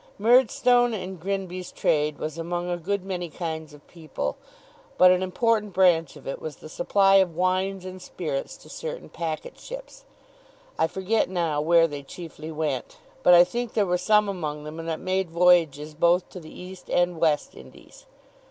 Murdstone and Grinby's trade was among a good many kinds of people, but an important branch of it was the supply of wines and spirits to certain packet ships. I forget now where they chiefly went, but I think there were some among them that made voyages both to the East and West Indies.